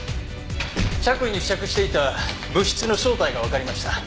着衣に付着していた物質の正体がわかりました。